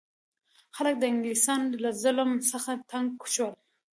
خلک د انګلیسانو له ظلم څخه تنګ شول.